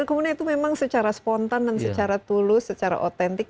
kemudian itu memang secara spontan dan secara tulus secara otentik